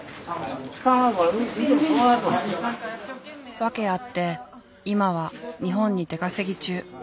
訳あって今は日本に出稼ぎ中。